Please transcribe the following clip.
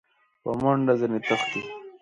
په منډه ځني تښتي !